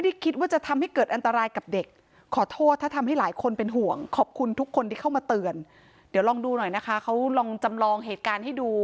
เดี๋ยวลองดูหน่อยนะคะเขาลองจำลองเหตุการณ์ให้ดู